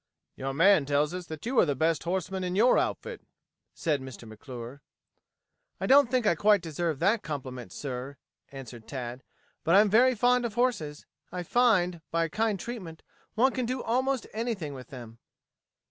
"Your man tells us that you are the best horseman in your outfit," said Mr. McClure. "I don't think I quite deserve that compliment, sir," answered Tad. "But I am very fond of horses. I find, by kind treatment, one can do almost anything with them."